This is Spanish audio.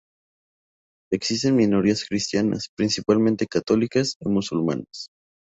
Existen minorías cristianas, principalmente católicas, y musulmanas.